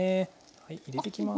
はい入れてきます。